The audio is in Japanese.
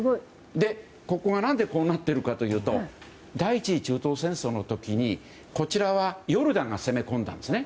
ここが何でこうなっているのかというと第１次中東戦争の時にこちらはヨルダンが攻め込んだんですね。